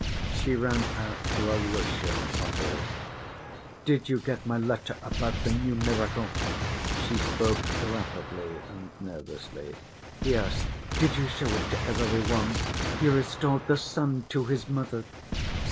She ran out to Alyosha in the hall. "Did you get my letter about the new miracle?" She spoke rapidly and nervously. "Yes." "Did you show it to every one? He restored the son to his mother!"